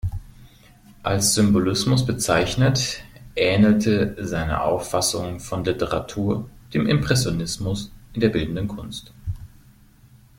Als Symbolismus bezeichnet, ähnelte seine Auffassung von Literatur dem Impressionismus in der bildenden Kunst.